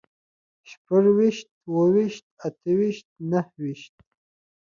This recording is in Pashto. شپږ ويشت، اووه ويشت، اته ويشت، نهه ويشت